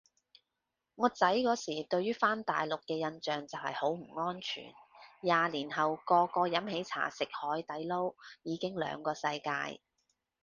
我仔嗰時對於返大陸嘅印象就係好唔安全，廿年後個個飲喜茶食海底撈已經兩個世界